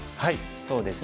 そうですね